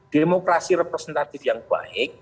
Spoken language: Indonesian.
demokrasi representatif yang baik